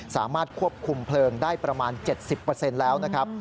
สามารถควบคุมเพลิงได้ประมาณ๗๐แล้วนะครับ